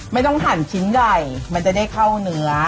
ไม่ต้องหั่นชิ้นใหญ่มันจะได้เข้าเนื้อ